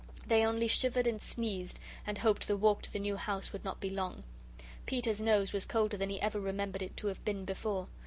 They only shivered and sneezed and hoped the walk to the new house would not be long. Peter's nose was colder than he ever remembered it to have been before.